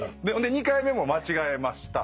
２回目も間違えました。